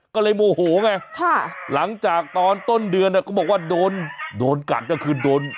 ก็เลยโมโหไหมหลังจากตอนต้นเดือนนะเขาบอกว่าโดนกัดอย่างนี้คือโดน